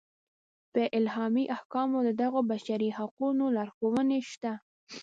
په الهي احکامو کې د دغو بشري حقونو لارښوونې شته.